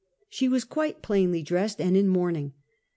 She was quite plainly dressed, and in mourning.